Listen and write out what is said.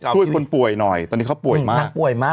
ช่วยคนป่วยหน่อยตอนนี้เขาป่วยมาก